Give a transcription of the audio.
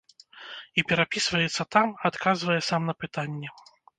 І перапісваецца там, адказвае сам на пытанні.